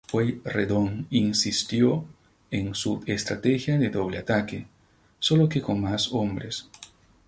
Pueyrredón insistió en su estrategia de doble ataque, sólo que con más hombres.